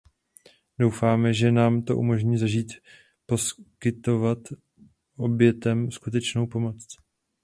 Doufáme, že nám to umožní začít poskytovat obětem skutečnou pomoc.